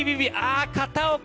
片岡